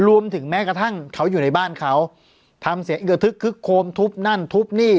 แม้กระทั่งเขาอยู่ในบ้านเขาทำเสียงกระทึกคึกโคมทุบนั่นทุบนี่